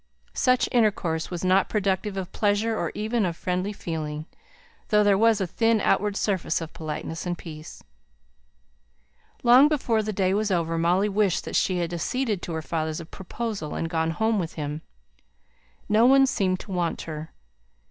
Such intercourse was not productive of pleasure, or even of friendly feeling, though there was a thin outward surface of politeness and peace. Long before the day was over, Molly wished that she had acceded to her father's proposal, and gone home with him. No one seemed to want her. Mrs.